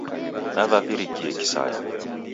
Navavirikie kisaya!